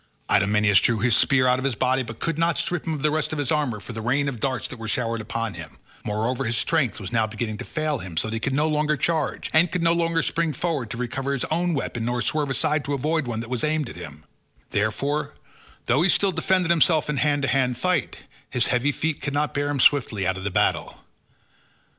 Idomeneus drew his spear out of the body, but could not strip him of the rest of his armour for the rain of darts that were showered upon him: moreover his strength was now beginning to fail him so that he could no longer charge, and could neither spring forward to recover his own weapon nor swerve aside to avoid one that was aimed at him; therefore, though he still defended himself in hand to hand fight, his heavy feet could not bear him swiftly out of the battle.